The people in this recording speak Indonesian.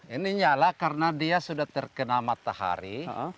ini nyala karena dia sudah terkena matahari